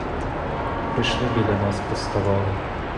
Прийшли, біля нас поставали.